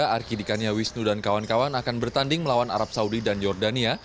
arkidikania wisnu dan kawan kawan akan bertanding melawan arab saudi dan jordania